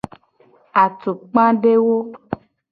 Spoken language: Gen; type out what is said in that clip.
Atukpadewo.